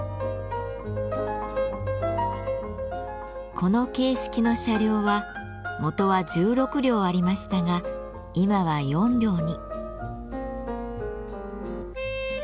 この形式の車両はもとは１６両ありましたが今は４両に。